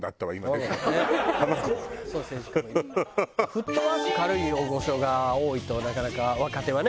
フットワーク軽い大御所が多いとなかなか若手はね。